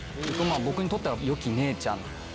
僕にとっては、よき姉ちゃん。